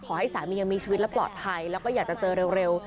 ขอให้สามียังมีชีวิตและปลอดภัยแล้วก็อยากจะเจอเร็ว